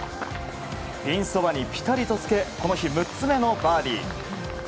ピンそばにぴたりとつけこの日６つ目のバーディー。